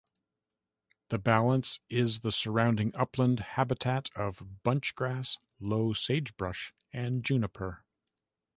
The balance is the surrounding upland habitat of bunchgrass, low sagebrush, and juniper.